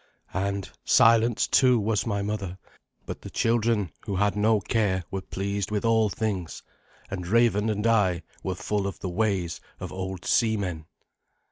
And silent, too, was my mother; but the children, who had no care, were pleased with all things, and Raven and I were full of the ways of old seamen.